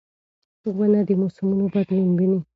ونه د موسمونو بدلون ویني.